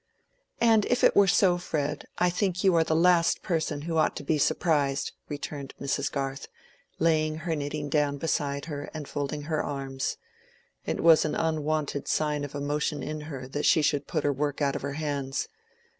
"And if it were so, Fred, I think you are the last person who ought to be surprised," returned Mrs. Garth, laying her knitting down beside her and folding her arms. It was an unwonted sign of emotion in her that she should put her work out of her hands.